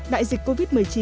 đại dịch covid một mươi chín